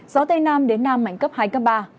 gió tây nam đến nam mạnh cấp hai cấp ba